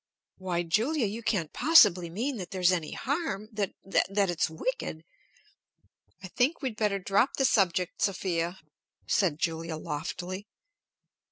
"Why, Julia, you can't possibly mean that there's any harm, that, that it's wicked " "I think we'd better drop the subject, Sophia," said Julia loftily.